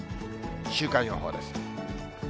週間予報です。